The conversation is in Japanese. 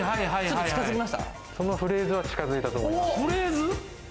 そのフレーズは近づいたと思います。